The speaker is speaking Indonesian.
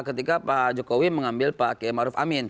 ketika pak jokowi mengambil pak k maruf amin